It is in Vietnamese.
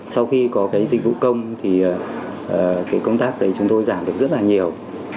sau khi có cái dịch vụ công thì cái công tác đấy chúng tôi giảm được rất là nhiều